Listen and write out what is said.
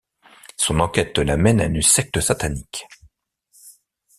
Son enquête la mène à une secte satanique.